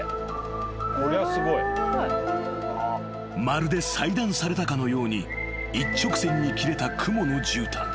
［まるで裁断されたかのように一直線に切れた雲のじゅうたん］